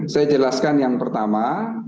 saya jelaskan yang pertama